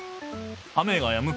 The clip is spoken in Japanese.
雨がやむ。